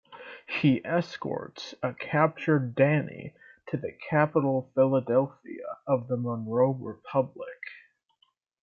He escorts a captured Danny to the capital Philadelphia of the Monroe Republic.